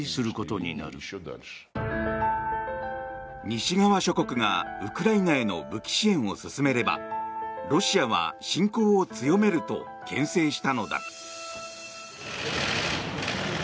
西側諸国がウクライナへの武器支援を進めればロシアは侵攻を強めるとけん制したのだ。